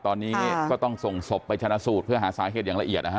ตอนนี้ก็ต้องส่งศพไปชนะสูตรเพื่อหาสาเหตุอย่างละเอียดนะฮะ